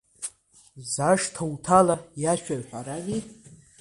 Зашҭа уҭалаз иашәа уҳәарами…